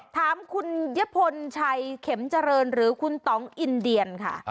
ถามคุณยพลชัยเข็มเจริญหรือคุณตองอินเดียนค่ะ